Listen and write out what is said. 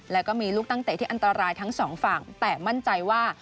แล้วก็มีลูกตั้งเตะที่อันตรายทั้งสองฝั่งแต่มั่นใจว่า